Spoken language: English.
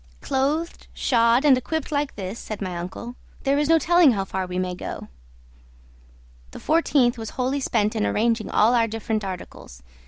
"Clothed, shod, and equipped like this," said my uncle, "there is no telling how far we may go." The 14th was wholly spent in arranging all our different articles.